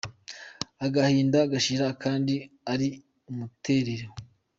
Agahinda gashira akandi ari umuterero.